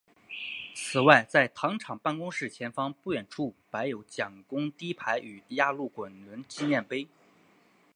此外在糖厂办公室前方不远处摆有蒋公堤碑与压路滚轮纪念碑。